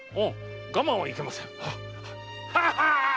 我慢はいけませぬ。